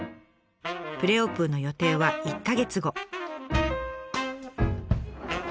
プレオープンの予定は１か月後。